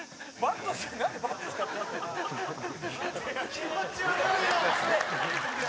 「気持ち悪いよ！」